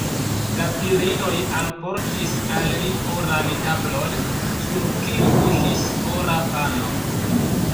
La virinoj alportis al li oran tablon, sur kiu kuŝis ora pano.